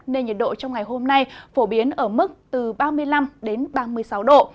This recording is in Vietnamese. nên nhiệt độ trong ngày hôm nay phổ biến ở mức từ ba mươi năm đến ba mươi sáu độ